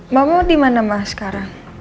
mama dimana ma sekarang